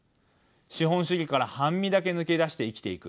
資本主義から半身だけ抜け出して生きていく。